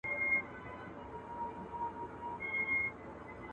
ابن خلدون د ټولنپوهني يو مخکښ عالم دی.